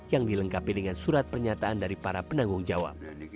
yang dilengkapi dengan surat pernyataan dari para penanggung jawab